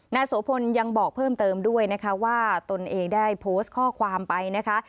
โสพลยังบอกเพิ่มเติมด้วยนะคะว่าตนเองได้โพสต์ข้อความไปนะคะ